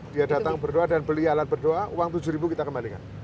dia datang berdoa dan beli alat berdoa uang rp tujuh kita kembalikan